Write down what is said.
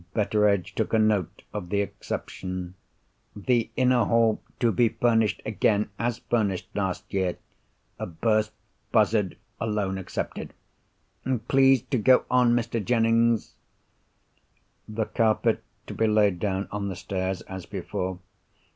Betteredge took a note of the exception. "'The inner hall to be furnished again, as furnished last year. A burst buzzard alone excepted.' Please to go on, Mr. Jennings." "The carpet to be laid down on the stairs, as before."